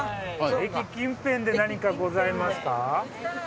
駅近辺で何かございますか？